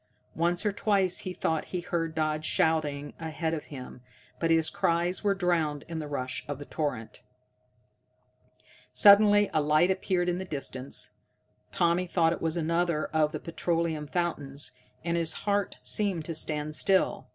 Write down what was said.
Once or twice he thought he heard Dodd shouting ahead of him, but his cries were drowned in the rush of the torrent. Suddenly a light appeared in the distance. Tommy thought it was another of the petroleum fountains, and his heart seemed to stand still.